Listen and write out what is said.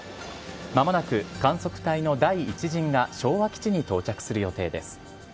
まもなく観測隊の第１陣が昭和基地に到着する予定です。